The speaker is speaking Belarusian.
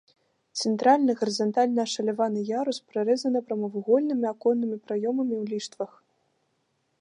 Цэнтральны гарызантальна ашаляваны ярус прарэзаны прамавугольнымі аконнымі праёмамі ў ліштвах.